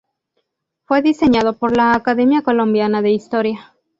Fue diseñado por la Academia Colombiana de Historia.